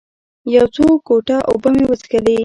یو څو ګوټه اوبه مې وڅښلې.